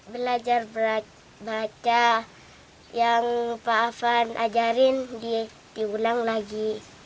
belajar baca yang pak afan ajarin diulang lagi